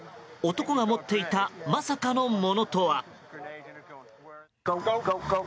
男が持っていたまさかのものとは。